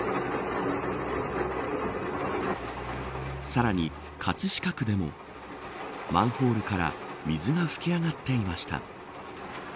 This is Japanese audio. さらに、葛飾区でもマンホールから水が噴き上がっていました。